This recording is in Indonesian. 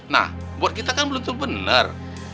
nah buat kita kan belum tuh bener